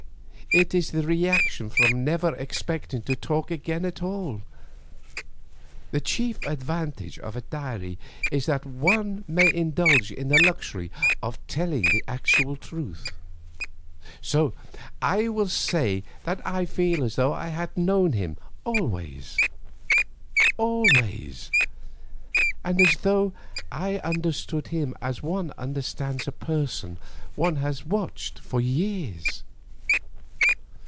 It is the reaction from never expecting to talk again at all. The chief advantage of a diary is that one may indulge in the luxury of telling the actual truth. So I will say that I feel as though I had known him always; always—and as though I understood him as one understands a person one has watched for years.